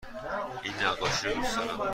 این نقاشی را دوست دارم.